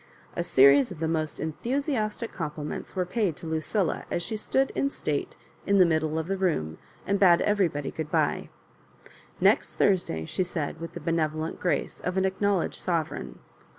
A series of the most enthusiastic compliments were paid to Lu cilla as she stood in state in the middle of the room, and bade everybody good bye. ''Next Thursday," she said, with the benevolent grace of an acknowledged sovereign.